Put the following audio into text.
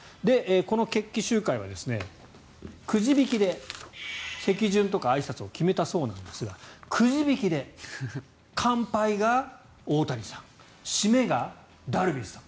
この決起集会はくじ引きで席順とかあいさつを決めたそうなんですがくじ引きで、乾杯が大谷さん締めがダルビッシュさん